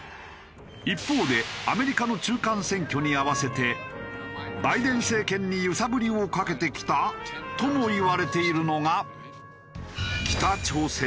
一方でアメリカの中間選挙に合わせてバイデン政権に揺さぶりをかけてきた？ともいわれているのが。